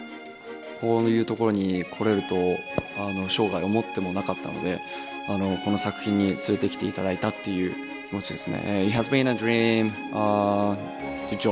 こういう所に来れると生涯、思ってもなかったので、この作品に連れてきていただいたっていう気持ちですね。